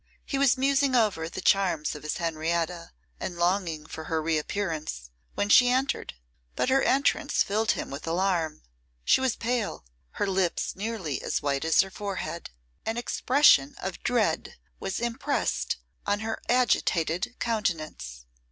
He was musing over the charms of his Henrietta, and longing for her reappearance, when she entered; but her entrance filled him with alarm. She was pale, her lips nearly as white as her forehead. An expression of dread was impressed on her agitated countenance.